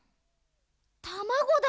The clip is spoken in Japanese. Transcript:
たまごだ。